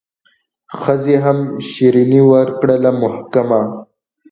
ښځي هم شیریني ورکړله محکمه